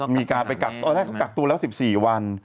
มีการไปกักตัวแล้ว๑๔วัน